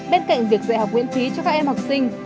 bên cạnh việc dạy học miễn phí cho các em học sinh